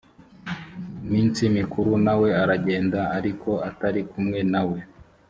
ku minsi mikuru na we aragenda ariko atari kumwe na we